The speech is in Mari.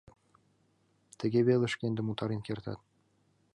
— Тыге веле шкендым утарен кертат.